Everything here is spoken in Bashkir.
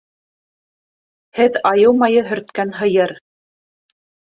Һеҙ айыу майы һөрткән һыйыр!